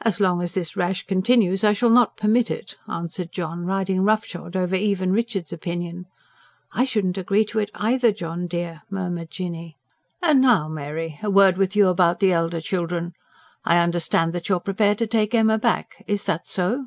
"As long as this rash continues I shall not permit it," answered John, riding rough shod over even Richard's opinion. ("I shouldn't agree to it either, John dear," murmured Jinny.) "And now, Mary, a word with you about the elder children. I understand that you are prepared to take Emma back is that so?"